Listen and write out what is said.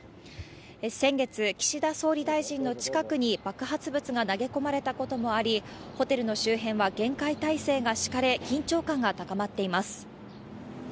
先月、岸田総理大臣の近くに爆発物が投げ込まれたこともあり、ホテルの周辺は厳戒態勢が敷かれ、緊張感が高まっています。